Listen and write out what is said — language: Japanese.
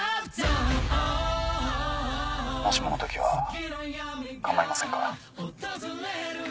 もしもの時は構いませんか？